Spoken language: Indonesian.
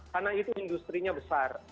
karena itu industri nya besar